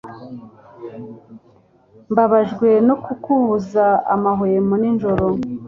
Mbabajwe no kukubuza amahwemo nijoro.